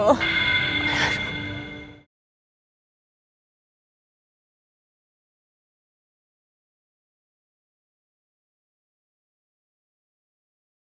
tapi aku bisa lihatnya dulu